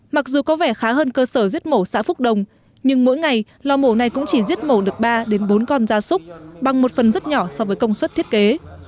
mặc dù có vẻ khá hơn cơ sở giết mổ xã phúc đồng nhưng mỗi ngày lò mổ này cũng chỉ giết mổ được ba bốn con da súc bằng một phần rất nhỏ so với công suất thiết kế